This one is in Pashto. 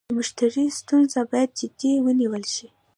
د مشتري ستونزه باید جدي ونیول شي.